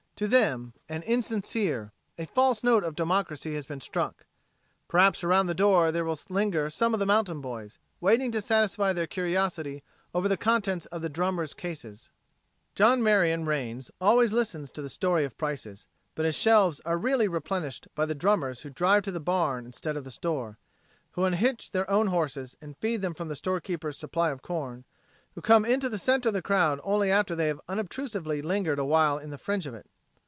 To them, an insincere, a false note of democracy has been struck. Perhaps around the door there will linger some of the mountain boys waiting to satisfy their curiosity over the contents of the drummer's cases. John Marion Rains always listens to the story of prices, but his shelves are really replenished by the drummers who drive to the barn instead of the store, who unhitch their own horses and feed them from the storekeeper's supply of corn, who come into the center of the crowd only after they have unobtrusively lingered awhile in the fringe of it.